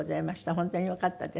本当によかったです。